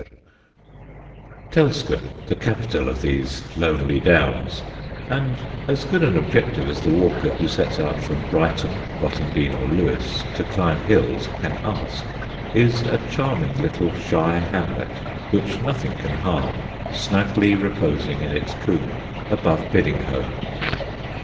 [Sidenote: PIDD'NHOO] Telscombe, the capital of these lonely Downs and as good an objective as the walker who sets out from Brighton, Rottingdean, or Lewes to climb hills can ask, is a charming little shy hamlet which nothing can harm, snugly reposing in its combe, above Piddinghoe.